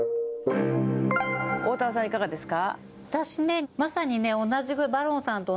おおたわさん、いかがですか。